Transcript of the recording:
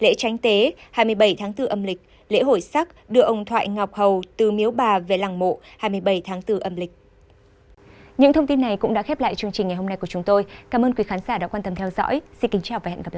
lễ tránh tế hai mươi bảy tháng bốn âm lịch lễ hội sắc đưa ông thoại ngọc hầu từ miếu bà về làng mộ hai mươi bảy tháng bốn âm lịch